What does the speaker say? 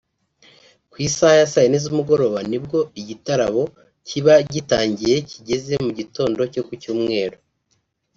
Ku isaha ya saa yine z’umugoroba nibwo igitarabo kiba gitangiye kigeze mu gitondo cyo ku Cyumweru